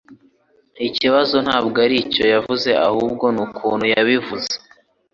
Ikibazo ntabwo aricyo yavuze, ahubwo nukuntu yabivuze.